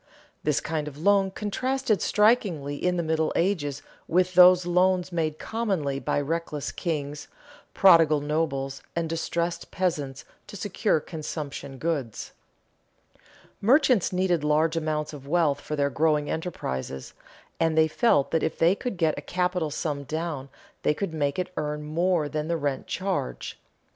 This kind of loan contrasted strikingly in the Middle Ages with those loans made commonly by reckless kings, prodigal nobles, and distressed peasants to secure consumption goods. Merchants needed large amounts of wealth for their growing enterprises, and they felt that if they could get a capital sum down they could make it earn more than the rent charge.